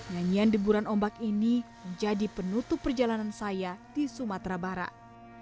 nyanyian deburan ombak ini jadi penutup perjalanan saya di sumatera barat